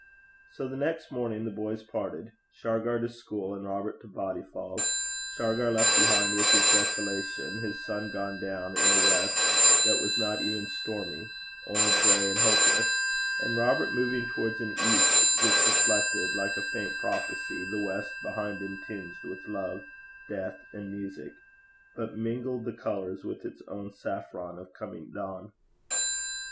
So the next morning the boys parted Shargar to school, and Robert to Bodyfauld Shargar left behind with his desolation, his sun gone down in a west that was not even stormy, only gray and hopeless, and Robert moving towards an east which reflected, like a faint prophecy, the west behind him tinged with love, death, and music, but mingled the colours with its own saffron of coming dawn.